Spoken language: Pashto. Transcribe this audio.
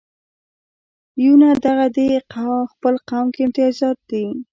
یونه دغه دې خپل قوم کې امتیازات دي.